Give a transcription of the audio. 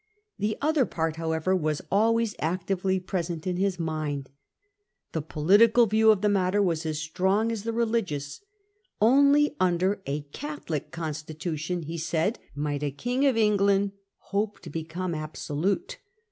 The other part however was always actively present to his mind. The political view of the matter was as strong as the religious ; only under a Cathplic constitution, he said, might a King of England hope to become absolute.